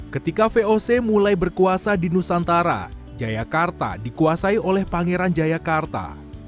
ketika voc mulai berkuasa di nusantara jayakarta dikuasai oleh pangeran jayakarta